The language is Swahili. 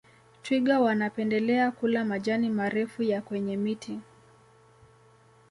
twiga wanapendelea kula majani marefu ya kwenye miti